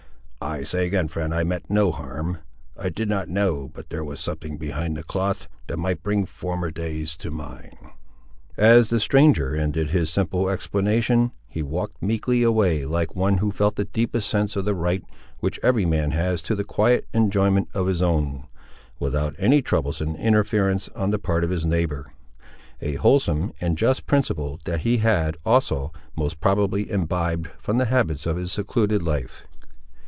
I say again, friend, I meant no harm; I did not know, but there was something behind the cloth, that might bring former days to my mind." As the stranger ended his simple explanation, he walked meekly away, like one who felt the deepest sense of the right which every man has to the quiet enjoyment of his own, without any troublesome interference on the part of his neighbour; a wholesome and just principle that he had, also, most probably imbibed from the habits of his secluded life.